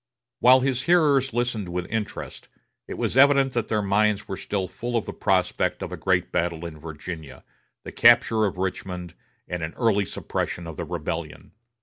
While his hearers listened with interest, it was evident that their minds were still full of the prospect of a great battle in Virginia, the capture of Richmond, and an early suppression of the rebellion.